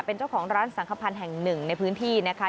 เป็นเจ้าของร้านสังขพันธ์แห่งหนึ่งในพื้นที่นะคะ